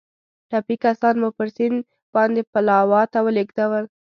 ټپي کسان مو پر سیند باندې پلاوا ته ولېږدول.